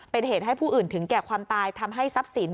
เป็นเหตุให้ผู้อื่นถึงแก่ความตายทำให้ทรัพย์สิน